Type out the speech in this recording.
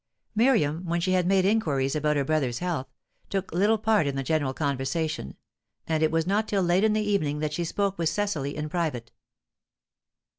Miriam, when she had made inquiries about her brother's health, took little part in the general conversation, and it was not till late in the evening that she spoke with Cecily in private.